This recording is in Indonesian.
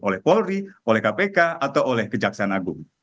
oleh polri oleh kpk atau oleh kejaksaan agung